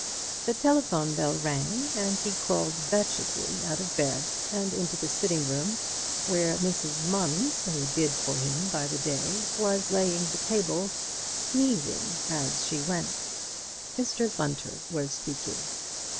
The telephone bell rang, and he crawled wretchedly out of bed and into the sitting room, where Mrs. Munns, who did for him by the day, was laying the table, sneezing as she went. Mr. Bunter was speaking.